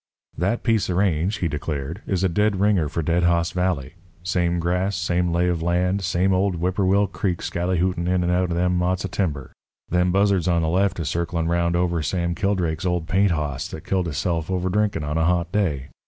"That piece of range," he declared, "is a dead ringer for Dead Hoss Valley. Same grass, same lay of land, same old Whipperwill Creek skallyhootin' in and out of them motts of timber. Them buzzards on the left is circlin' 'round over Sam Kildrake's old paint hoss that killed hisself over drinkin' on a hot day.